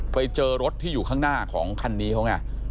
ไปเจอรถที่อยู่ข้างหน้าของคันนี้เขาไง